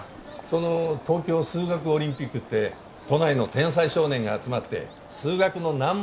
その東京数学オリンピックって都内の天才少年が集まって数学の難問を競うっていうあれ？